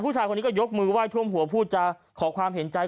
ผู้ชายคนนี้ก็ยกมือไห้ท่วมหัวพูดจะขอความเห็นใจ